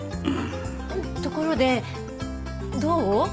ところでどう？